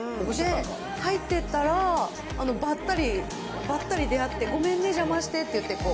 入っていったら、ばったり、ばったり出会って、ごめんね、邪魔してって言って、こう。